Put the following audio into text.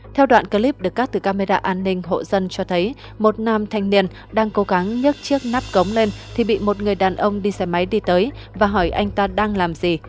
theo đoạn clip được cắt từ camera an ninh hộ dân cho thấy một nam thanh niên đang cố gắng nhắc chiếc nắp cống lên thì bị một người đàn ông đi xe máy đi tới và hỏi anh ta đang làm gì